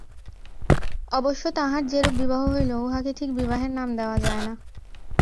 অবশ্য তাঁহার যেরূপ বিবাহ হইল, উহাকে ঠিক বিবাহের নাম দেওয়া যায় না।